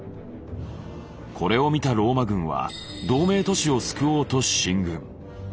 これを見たローマ軍は同盟都市を救おうと進軍。